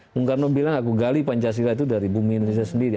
bung karno bilang aku gali pancasila itu dari bumi indonesia sendiri